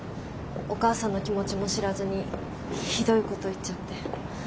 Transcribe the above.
お母さんの気持ちも知らずにひどいこと言っちゃって。